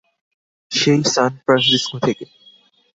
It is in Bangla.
সেই স্যান ফ্রান্সিসকো থেকে।